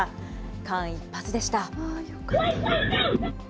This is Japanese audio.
間一髪でした。